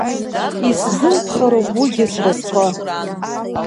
Исзылԥхароуп уигьы сразҟы.